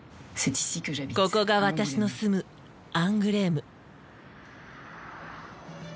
ここが私の住むアングレーム。